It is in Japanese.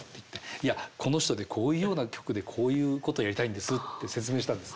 「いやこの人でこういうような曲でこういうことをやりたいんです」って説明したんです。